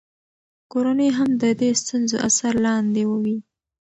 کورنۍ هم د دې ستونزو اثر لاندې وي.